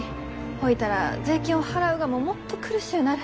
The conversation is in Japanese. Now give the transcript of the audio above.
ほいたら税金を払うがももっと苦しゅうなる。